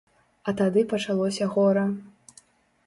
А тады пачалося гора.